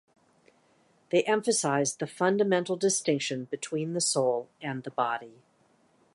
They emphasized the fundamental distinction between the soul and the body.